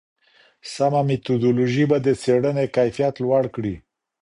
سمه میتودولوژي به د څېړني کیفیت لوړ کړي.